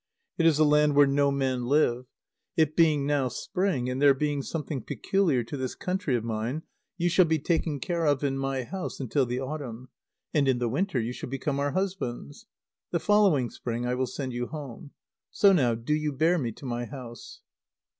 It is a land where no men live. It being now spring, and there being something peculiar to this country of mine you shall be taken care of in my house until the autumn; and in the winter you shall become our husbands. The following spring I will send you home. So now do you bear me to my house."